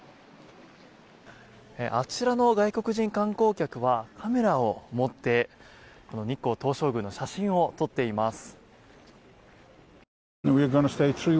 あちらの外国人観光客はカメラを持って日光東照宮の写真を撮っています。